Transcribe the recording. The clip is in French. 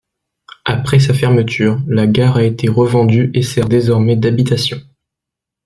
Après sa fermeture, la gare a été revendue et sert désormais d'habitation.